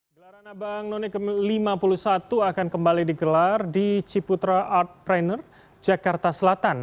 gelaran abang none ke lima puluh satu akan kembali digelar di ciputra art pranner jakarta selatan